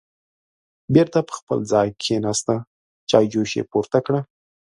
بېرته په خپل ځای کېناسته، چایجوش یې پورته کړه